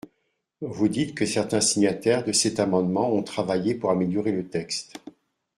Vous dites que certains signataires de cet amendement ont travaillé pour améliorer le texte.